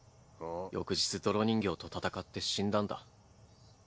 翌日泥人形と戦って死んだんだ。